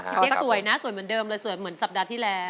เป๊กสวยนะสวยเหมือนเดิมเลยสวยเหมือนสัปดาห์ที่แล้ว